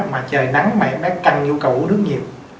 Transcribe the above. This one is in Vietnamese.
mà trời nắng mà em bé căng nhu cầu uống nước nhiều